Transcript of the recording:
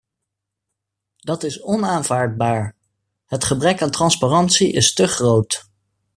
Dat is onaanvaardbaar, het gebrek aan transparantie is te groot!